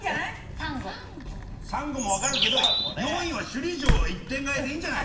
サンゴもわかるけど４位は首里城一点買いでいいんじゃないですか？